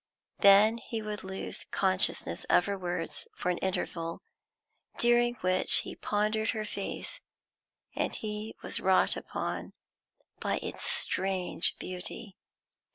Then he would lose consciousness of her words for an interval, during which he pondered her face, and was wrought upon by its strange beauty.